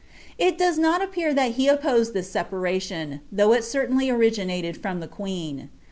It does not appear that he c^iposed this separation, though it certainly originated from the queen.